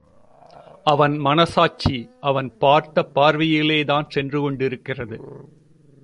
அவன் மனச்சாட்சி அவன் பார்த்த பார்வையிலேதான் சென்று கொண்டிருக்கிறது.